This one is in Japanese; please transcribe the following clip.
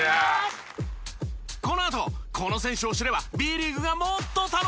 このあとこの選手を知ればＢリーグがもっと楽しくなる！